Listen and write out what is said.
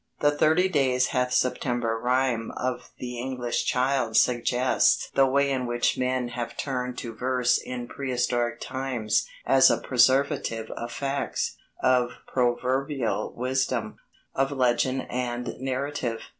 The "Thirty days hath September" rhyme of the English child suggests the way in which men must have turned to verse in prehistoric times as a preservative of facts, of proverbial wisdom, of legend and narrative.